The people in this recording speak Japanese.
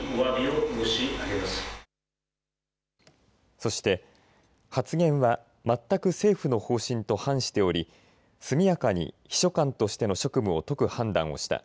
そして発言は全く政府の方針と反しており速やかに秘書官としての職務を解く判断をした。